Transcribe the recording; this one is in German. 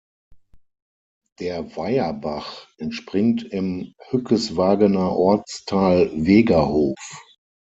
Der Weierbach entspringt im Hückeswagener Ortsteil Wegerhof.